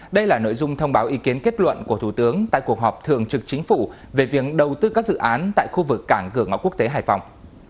đây là nội dung thông báo ý kiến kết luận của thủ tướng tại cuộc họp thường trực chính phủ về việc đầu tư các dự án tại khu vực cảng cửa ngõ quốc tế hải phòng